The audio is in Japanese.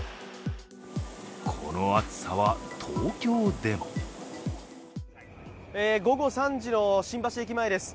この暑さは東京でも午後３時の新橋駅前です。